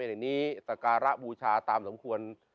ไม่มีใครรู้แล้วทุกคนลืมด้วย